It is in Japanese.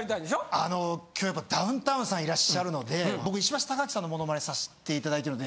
あの今日やっぱダウンタウンさんいらっしゃるので僕石橋貴明さんのモノマネさしていただいてるので。